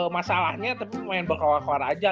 masalahnya tapi lumayan berkeluar keluar aja